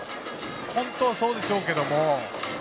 本当はそうでしょうけど。